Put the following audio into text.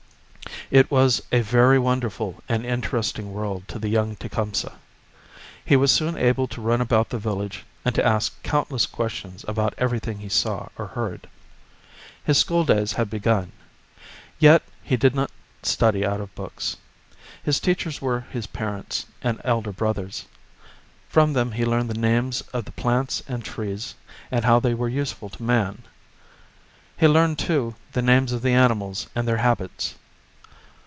It was a very wonderful and interesting world to the young Tecumseh. He was soon able to run about the village and to ask countless questions about everything he saw or heard. His schooldays had begun. Yet he did not study out of books. His teachers were his parents and elder brothers. From them he learned the names of the plants and trees and how they were useful to man. He learned, too, the names of the animals and their habits.